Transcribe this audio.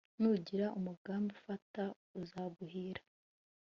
nugira umugambi ufata, uzaguhira